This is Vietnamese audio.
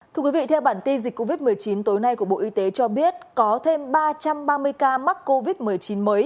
thưa quý vị theo bản tin dịch covid một mươi chín tối nay của bộ y tế cho biết có thêm ba trăm ba mươi ca mắc covid một mươi chín mới